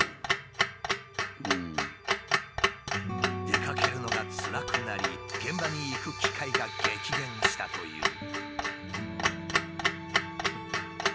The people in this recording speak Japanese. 出かけるのがつらくなり現場に行く機会が激減したという。